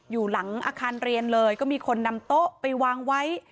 อยู่หลังอาคารเรียนเลยก็มีคนนำโต๊ะไปวางไว้